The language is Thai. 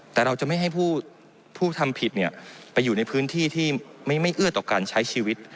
แต่เราจะไม่ให้ผู้ทำผิดไปอยู่ในพื้นที่ที่ไม่เอื้อต่อการใช้ชีวิต